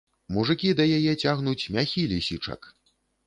Мужыкі да яе цягнуць мяхі лісічак!